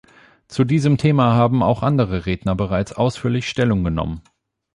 Zu diesem Thema haben auch andere Redner bereits ausführlich Stellung genommen.